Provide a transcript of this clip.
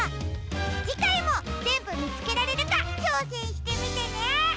じかいもぜんぶみつけられるかちょうせんしてみてね！